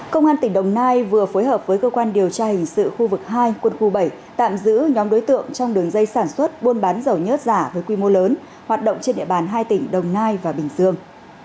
công an tỉnh đồng nai vừa phối hợp với cơ quan điều tra hình sự khu vực hai quân khu bảy tạm giữ nhóm đối tượng trong đường dây sản xuất buôn bán dầu nhất giả với quy mô lớn hoạt động trên địa bàn hai tỉnh đồng nai và bình dương